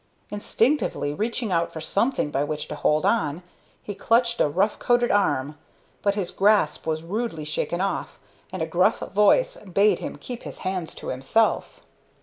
Instinctively reaching out for something by which to hold on, he clutched a rough coated arm, but his grasp was rudely shaken off, and a gruff voice bade him keep his hands to himself.